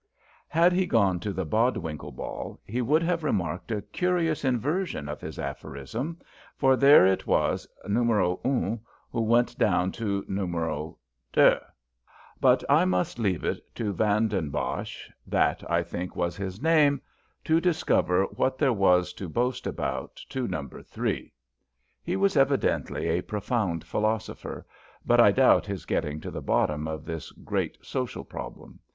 Had he gone to the Bodwinkle ball, he would have remarked a curious inversion of his aphorism, for there it was numéro un who went down to numéro deux. But I must leave it to Van den Bosch (that, I think, was his name) to discover what there was to boast about to number three. He was evidently a profound philosopher, but I doubt his getting to the bottom of this great social problem.